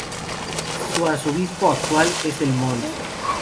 Su Arzobispo actual es el Mons.